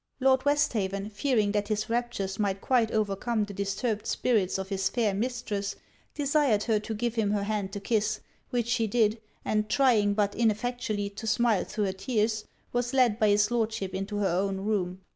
Lord Westhaven, fearing that his raptures might quite overcome the disturbed spirits of his fair mistress, desired her to give him her hand to kiss; which she did, and trying, but ineffectually, to smile thro' her tears, was led by his Lordship into her own room.